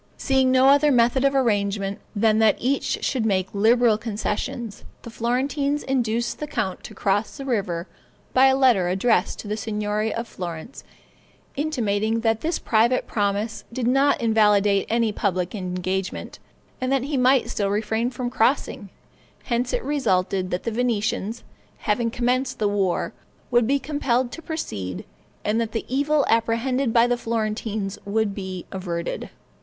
Seeing no other method of arrangement, than that each should make liberal concessions, the Florentines induced the count to cross the river by a letter addressed to the Signory of Florence, intimating that this private promise did not invalidate any public engagement, and that he might still refrain from crossing; hence it resulted that the Venetians, having commenced the war, would be compelled to proceed, and that the evil apprehended by the Florentines would be averted.